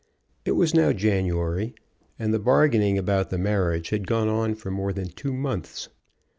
It was now January, and the bargaining about the marriage had gone on for more than two months.